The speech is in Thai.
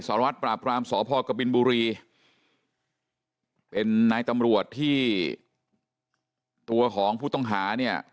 สารวัตรปราบรามสพกบินบุรีเป็นนายตำรวจที่ตัวของผู้ต้องหาเนี่ย